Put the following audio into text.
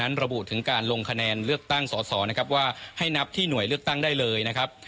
ระบุถึงการลงคะแนนเลือกตั้งสอสอนะครับว่าให้นับที่หน่วยเลือกตั้งได้เลยนะครับ